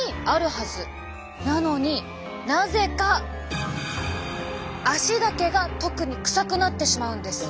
なのになぜか足だけが特にくさくなってしまうんです。